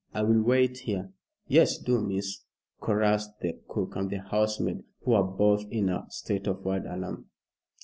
"I will wait here." "Yes, do, miss," chorussed the cook and the housemaid, who were both in a state of wild alarm.